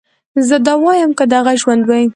زه دا واييم که دغه ژوند وي